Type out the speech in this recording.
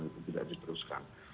itu tidak diteruskan